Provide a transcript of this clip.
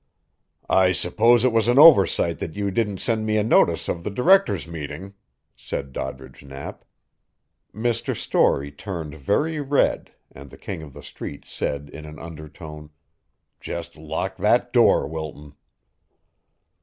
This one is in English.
"I suppose it was an oversight that you didn't send me a notice of the directors' meeting," said Doddridge Knapp. Mr. Storey turned very red, and the King of the Street said in an undertone: "Just lock that door, Wilton."